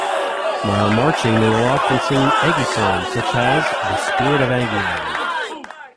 While marching, they will often sing Aggie songs, such as "The Spirit of Aggieland".